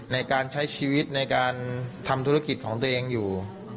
ในการใช้ชีวิตในการทำธุรกิจของตัวเองอยู่